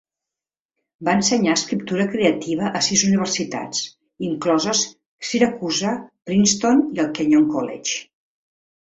Va ensenyar escriptura creativa a sis universitats, incloses Siracusa, Princeton i el Kenyon College.